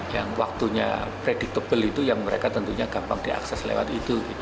yang waktunya predictable itu yang mereka tentunya gampang diakses lewat itu